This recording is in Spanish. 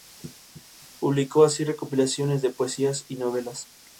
Publicó así recopilaciones de poesías y novelas.